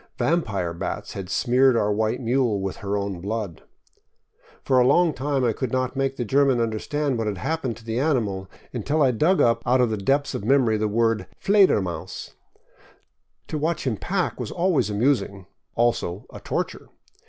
Vampire bats had smeared our white mule with her own blood. For a long time I could not make the German understand what had happened to the animal, until I dug up out of the depths of memory the word " Fledermaus." To watch him pack was always amusing — also a torture.